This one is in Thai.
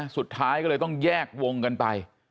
สุดท้ายก็เลยต้องแยกวงกันไป